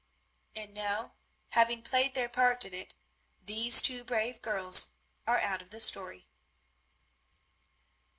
And now, having played their part in it, these two brave girls are out of the story.